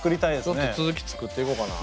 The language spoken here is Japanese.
ちょっと続き作っていこうかな。